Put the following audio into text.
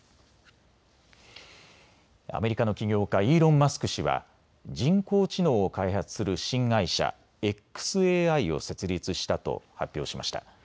アメリカの起業家、イーロン・マスク氏は人工知能を開発する新会社、ｘＡＩを設立したと発表しました。